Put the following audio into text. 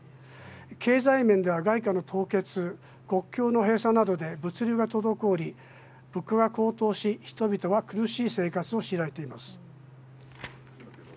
経済面では外貨の凍結、国境の閉鎖などで物流が滞り物価が高騰し、人々は苦しい生活を強いられています。